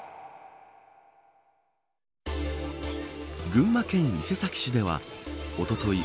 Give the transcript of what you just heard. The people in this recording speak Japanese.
群馬県伊勢崎市ではおととい